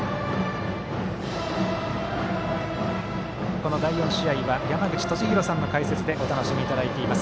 この第４試合は山口敏弘さんの解説でお楽しみいただいています。